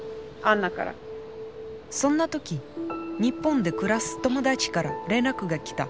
そんな時日本で暮らす友達から連絡がきた。